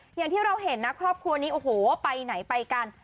อย่างที่เราเห็นนะครอบครัวนี้โอ้โหไปไหนไปกัน